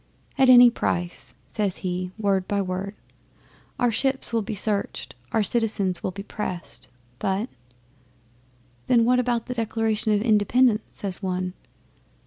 '"At any price," says he, word by word. "Our ships will be searched our citizens will be pressed, but " '"Then what about the Declaration of Independence?" says one.